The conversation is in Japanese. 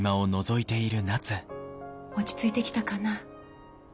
落ち着いてきたかな？